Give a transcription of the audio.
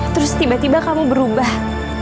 terus tiba tiba kamu berubah